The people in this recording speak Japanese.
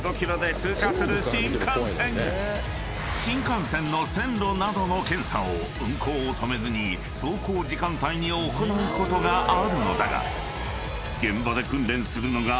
［新幹線の線路などの検査を運行を止めずに走行時間帯に行うことがあるのだが現場で訓練するのが難しい］